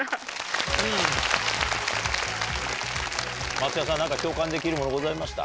松也さん何か共感できるものございました？